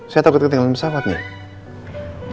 saya takut ketinggalan pesawat nih